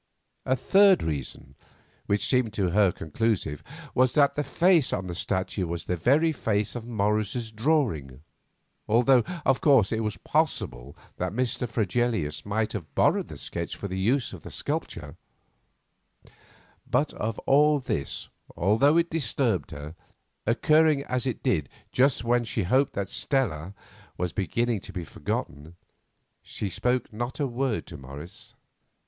A third reason, which seemed to her conclusive, was that the face on the statue was the very face of Morris's drawing, although, of course, it was possible that Mr. Fregelius might have borrowed the sketch for the use of the sculptor. But of all this, although it disturbed her, occurring as it did just when she hoped that Stella was beginning to be forgotten, she spoke not a word to Morris.